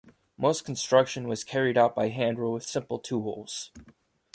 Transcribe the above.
Most construction was carried out by hand or with simple tools.